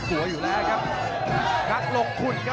ต้องการสวัสดีค่ะ